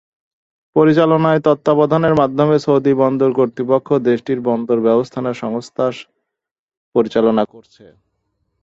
পরিচলনায় তত্ত্বাবধানের মাধ্যমে সৌদি বন্দর কর্তৃপক্ষ দেশটির বন্দর ব্যবস্থাপনা সংস্থা পরিচালনা করছে।